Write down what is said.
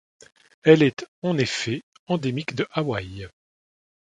Elle est, en effet, endémique de Hawaï.